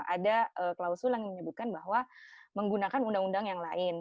ada klausul yang menyebutkan bahwa menggunakan undang undang yang lain